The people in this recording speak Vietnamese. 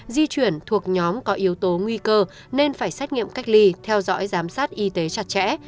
di chuyển thuộc nhóm có yếu tố nguy cơ nên phải xét nghiệm cách ly theo dõi giám sát y tế chặt chẽ